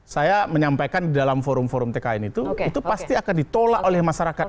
saya menyampaikan di dalam forum forum tkn itu itu pasti akan ditolak oleh masyarakat